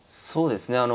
そうですね